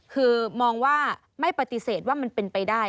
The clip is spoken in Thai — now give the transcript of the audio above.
คือมองว่าไม่ปฏิเสธว่ามันเป็นไปได้